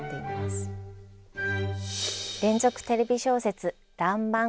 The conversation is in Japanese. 「連続テレビ小説らんまん」